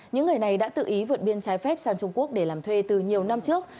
những người này đã tự ý vượt biên trái phép sang trung quốc để làm thuê từ nhiều năm trước